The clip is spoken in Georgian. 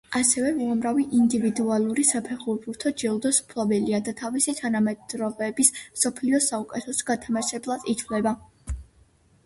ასევე უამრავი ინდივიდუალური საფეხბურთო ჯილდოს მფლობელია და თავისი თანამედროვეობის მსოფლიოს საუკეთესო გამთამაშებლად ითვლებოდა.